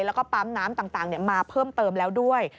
แล้วก็ปั๊มน้ำต่างมาเพิ่มเติมแล้วด้วย